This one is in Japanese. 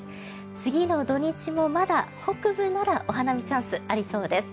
次の土日も、まだ北部ならお花見チャンスありそうです。